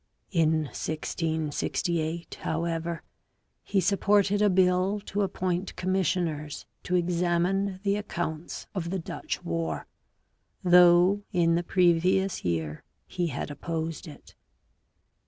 In 1668, however, he supported a bill to appoint commissioners to examine the accounts of the Dutch War, though in the previous year he had opposed it.